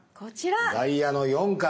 ダイヤの４から。